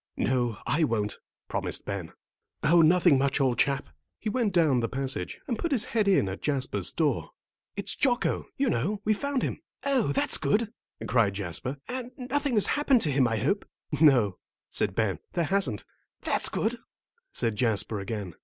"No, I won't," promised Ben. "Oh, nothing much, old chap." He went down the passage, and put his head in at Jasper's door, "It's Jocko, you know; we've found him." "Oh, that's good," cried Jasper; "and nothing has happened to him, I hope?" "No," said Ben, "there hasn't." "That's good," said Jasper again.